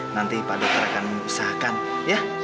nanti pak dokter akan usahakan ya